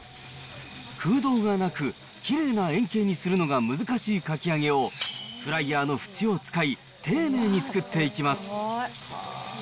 空洞がなく、きれいな円形にするのが難しいかき揚げを、フライヤーの縁を使い、丁寧に作っていきます。